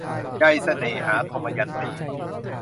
ใยเสน่หา - ทมยันตี